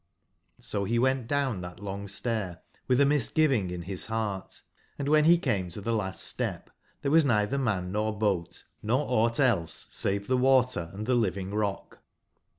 \0 be went down tbat long stair witb a mis giving in bis beart, and wben be came to tbe last step tbere was neitber man nor boat, nor augbt else save tbe water and tbe living rock.